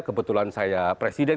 kebetulan saya presiden